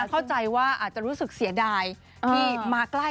เข้าใจว่าอาจจะรู้สึกเสียดาย